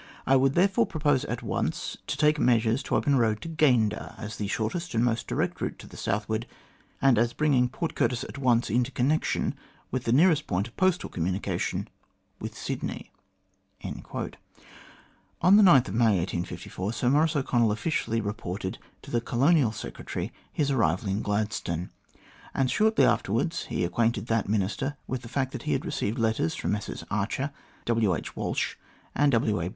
I would therefore propose at once to take measures to open a road to Gayndah, as the shortest and most direct route to the southward, and as bringing Port Curtis at once into connection with the nearest point of postal communication with Sydney." On May 9, 1854, Sir Maurice O'Connell officially reported to the Colonial Secretary his arrival in Gladstone, and shortly afterwards he acquainted that Minister with the fact that he had received letters from the Messrs Archer, W. H. Walsh, and W.